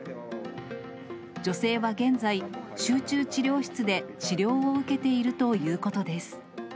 女性は現在、集中治療室で治療を受けているということです。